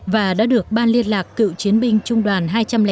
và đã được ban liên lạc cựu chiến binh trung đoàn hai trăm linh tám